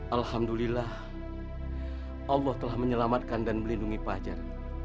alhamdulillah allah telah menyelamatkan dan melindungi fajar